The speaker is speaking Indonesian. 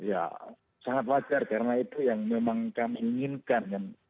ya sangat wajar karena itu yang memang kami inginkan